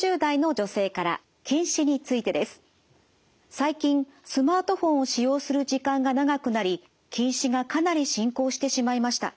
最近スマートフォンを使用する時間が長くなり近視がかなり進行してしまいました。